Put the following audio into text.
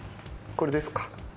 これですか？